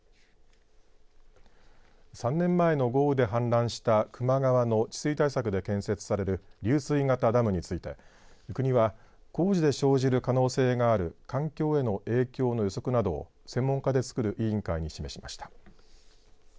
３年前の豪雨で氾濫した球磨川の治水対策で建設される流水型ダムについて国は工事で生じる可能性がある環境への影響の予測などを専門家でつくる委員会に示しました。